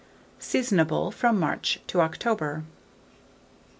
Seasonable from March to October.